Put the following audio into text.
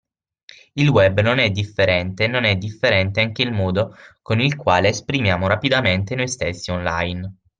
Il web non è differente e non è differente anche il modo con il quale esprimiamo rapidamente noi stessi online.